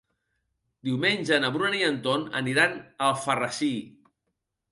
Diumenge na Bruna i en Ton aniran a Alfarrasí.